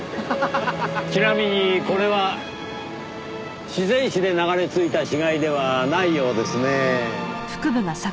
ちなみにこれは自然死で流れ着いた死骸ではないようですねぇ。